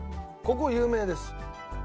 ここ有名です。